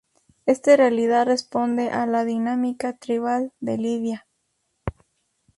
Esta realidad responde a la dinámica tribal de Libia.